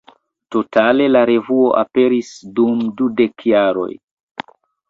Totale la revuo aperis dum dudek jaroj.